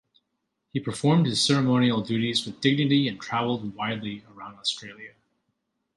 He performed his ceremonial duties with dignity and travelled widely around Australia.